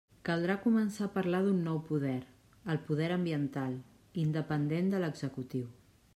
Caldrà començar a parlar d'un nou poder, el poder ambiental, independent de l'executiu.